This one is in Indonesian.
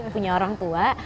punya orang tua